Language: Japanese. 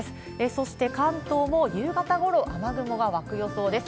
そして、関東も夕方ごろ、雨雲が湧く予想です。